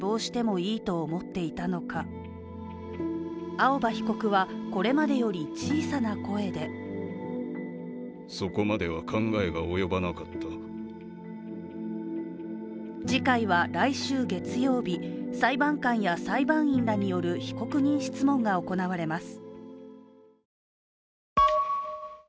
青葉被告はこれまでより小さな声で次回は来週月曜日、裁判官や裁判員らによる被告人質問が行われます。